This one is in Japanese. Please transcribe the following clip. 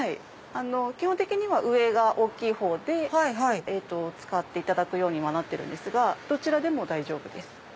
基本的には上が大きいほうで使っていただくんですがどちらでも大丈夫です。